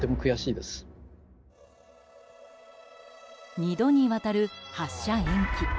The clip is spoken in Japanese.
２度にわたる発射延期。